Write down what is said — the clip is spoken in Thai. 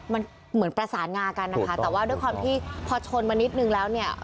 มันเหมือนประสานงากันนะคะแต่ว่าด้วยความที่พอชนมานิดนึงแล้วเนี่ย